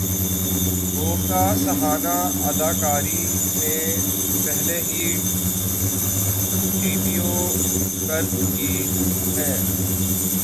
گوکہ سہانا اداکاری میں پہلے ہی ڈیبیو کرچکی ہیں